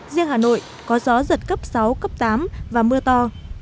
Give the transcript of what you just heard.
riêng hà nội có gió giật cấp sáu cấp tám và mưa to